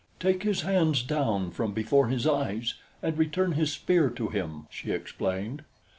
"Take his hands down from before his eyes and return his spear to him," she explained.